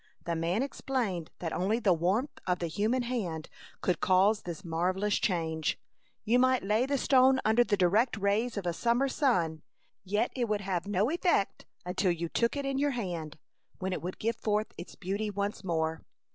The man explained that only the warmth of the human hand could cause this marvelous change. You might lay the stone under the direct rays of a summer sun, yet it would have no effect until you took it in your hand, when it would give forth its beauty once more.